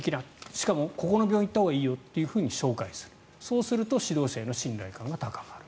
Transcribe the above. しかもこの病院に行ったほうがいいよと紹介する、そうすると指導者への信頼感が高まる。